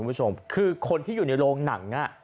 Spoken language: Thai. คุณผู้ชมคือคนที่อยู่ในโรงหนัง